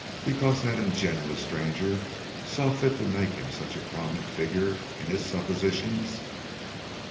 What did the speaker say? Because that ingenious stranger saw fit to make him such a prominent figure in his suppositions?"